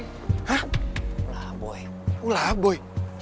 hah ulah boy